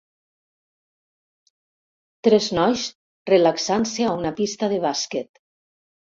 Tres nois relaxant-se a una pista de bàsquet.